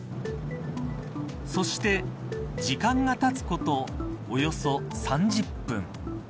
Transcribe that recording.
そして時間がたつことおよそ３０分。